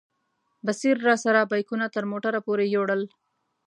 بصیر راسره بیکونه تر موټره پورې یوړل.